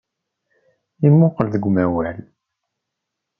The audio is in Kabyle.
Imuqel deg umawal.